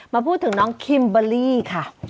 มาพูดถึงน้องคิมเบอร์รี่ค่ะ